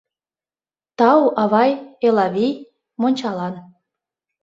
Тау, авай, Элавий, мончалан.